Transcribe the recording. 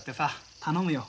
頼むよ